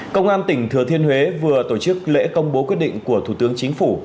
công an tỉnh thừa thiên huế vừa tổ chức lễ công bố quyết định của thủ tướng chính phủ